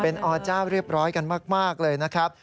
เป็นอเจ้าเรียบร้อยกันมากเลยนะครับ